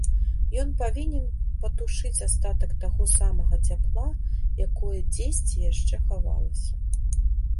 Ён павінен патушыць астатак таго самага цяпла, якое дзесьці яшчэ хавалася.